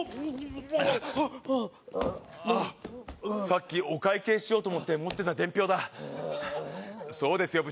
さっきお会計しようと思って持ってた伝票だそうですよ